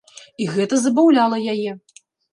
І гэта забаўляла яе.